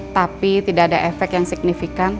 tapi tidak ada efek yang signifikan